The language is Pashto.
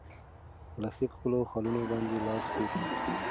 لښتې په خپلو خالونو باندې لاس کېښود.